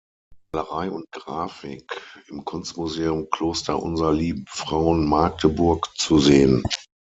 Malerei und Grafik" im Kunstmuseum Kloster Unser Lieben Frauen Magdeburg zu sehen.